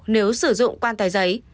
nếu sử dụng quan tài giấy